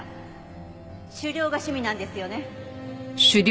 狩猟が趣味なんですよね？